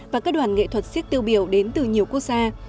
và các đoàn nghệ thuật siếc tiêu biểu đến từ nhiều quốc gia